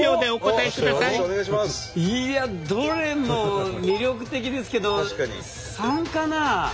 いやどれも魅力的ですけど３かな？